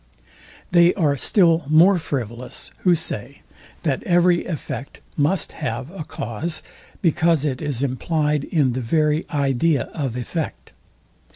They are still more frivolous, who say, that every effect must have a cause, because it is implyed in the very idea of effect.